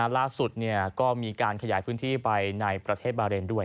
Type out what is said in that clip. ล่าสุดก็มีการขยายพื้นที่ไปในประเทศบาเรนด้วย